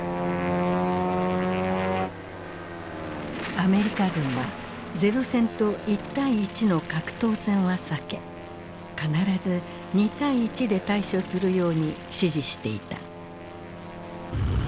アメリカ軍は零戦と１対１の格闘戦は避け必ず２対１で対処するように指示していた。